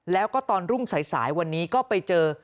แล้วก็ตอนรุ่งสายวันนี้ก็ไปเจอ